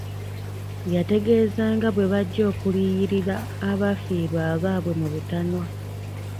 Yategeeza nga bwe bajja okuliriyirira abaafiirwa abaabwe mu butanwa .